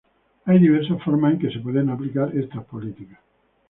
Hay diversas formas en que se pueden aplicar estas políticas.